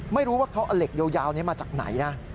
ไม่รู้ว่าเขาเอาเหล็กยาวนี้มาจากไหนนะ